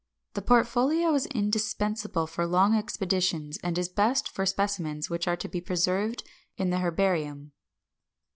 The portfolio is indispensable for long expeditions, and is best for specimens which are to be preserved in the herbarium.